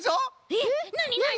えっなになに？